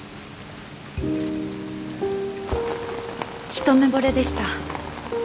一目ぼれでした。